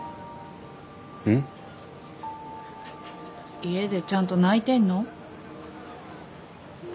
家でちゃんと泣いてんの？